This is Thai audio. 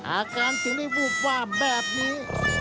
อาการถึงได้วูบวาบแบบนี้